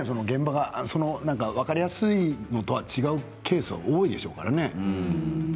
現場が分かりやすいのとは違うケースが多いでしょうからね。